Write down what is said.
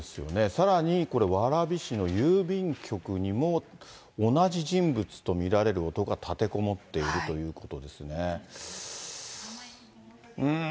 さらにこれ蕨市の郵便局にも、同じ人物と見られる男が立てこもっているということですね。